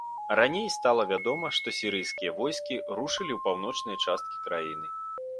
Раней стала вядома, што сірыйскія войскі рушылі ў паўночныя часткі краіны.